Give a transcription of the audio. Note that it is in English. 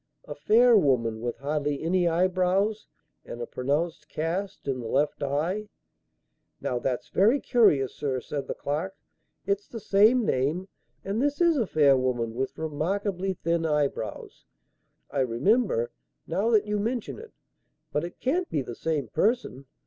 A fair woman with hardly any eyebrows and a pronounced cast in the left eye." "Now that's very curious, sir," said the clerk. "It's the same name, and this is a fair woman with remarkably thin eyebrows, I remember, now that you mention it. But it can't be the same person.